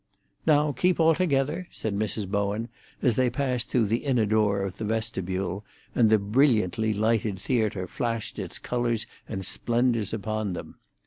"Now, keep all together," said Mrs. Bowen, as they passed through the inner door of the vestibule, and the brilliantly lighted theatre flashed its colours and splendours upon them.